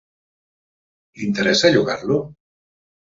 Li interessa llogar-lo?